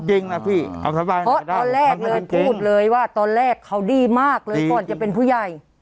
พี่เอาสบายเพราะตอนแรกเลยพูดเลยว่าตอนแรกเขาดีมากเลยก่อนจะเป็นผู้ใหญ่